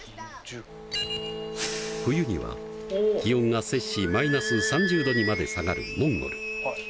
冬には気温が摂氏−３０度にまで下がるモンゴル。